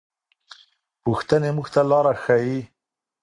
پوښتنې موږ ته لاره ښيي.